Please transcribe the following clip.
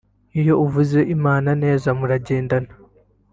Iyo uvuze Imana neza muragendana